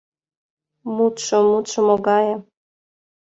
Мутшо, мутшо могае?